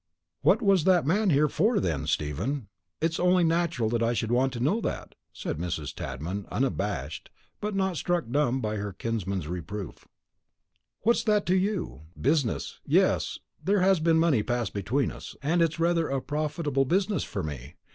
"What was that man here for, then, Stephen? It's only natural I should want to know that," said Mrs. Tadman, abashed, but not struck dumb by her kinsman's reproof. "What's that to you? Business. Yes, there has been money pass between us, and it's rather a profitable business for me.